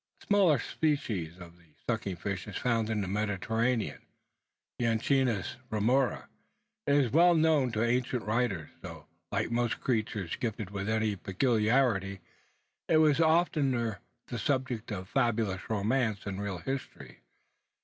A smaller species of the sucking fish is found in the Mediterranean, the Echeneis remora. It was well known to the ancient writers; though, like most creatures gifted with any peculiarity, it was oftener the subject of fabulous romance than real history.